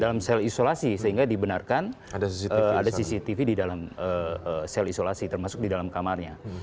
dalam sel isolasi sehingga dibenarkan ada cctv di dalam sel isolasi termasuk di dalam kamarnya